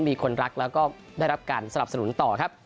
มีคนรักแล้วก็ได้รับการสนับสนุนต่อครับ